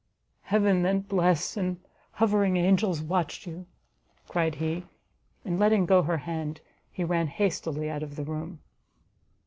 "Heaven then bless, and hovering angels watch you!" cried he, and letting go her hand, he ran hastily out of the room.